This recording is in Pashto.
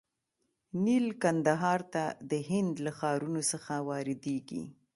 نیل کندهار ته د هند له ښارونو څخه واردیږي.